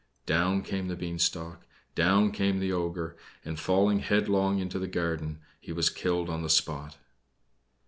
Down came the beanstalk, down came the ogre, and falling headlong into the garden he was killed on the spot.